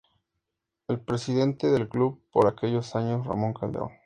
El presidente del club por aquellos años, Ramón Calderón.